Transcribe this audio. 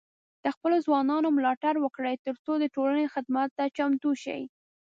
د خپلو ځوانانو ملاتړ وکړئ، ترڅو د ټولنې خدمت ته چمتو شي.